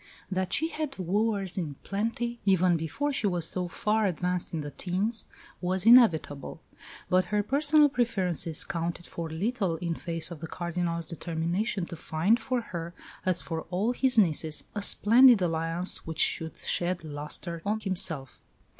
That she had wooers in plenty, even before she was so far advanced in the teens, was inevitable; but her personal preferences counted for little in face of the Cardinal's determination to find for her, as for all his nieces, a splendid alliance which should shed lustre on himself.